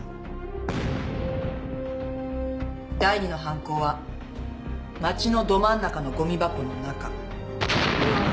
第２の犯行は街のど真ん中のごみ箱の中。